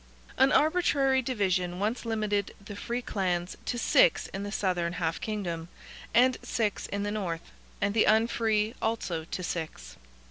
An arbitrary division once limited the free clans to six in the southern half kingdom, and six in the north; and the unfree also to six.